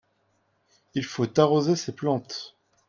il faut arroser ces plantes.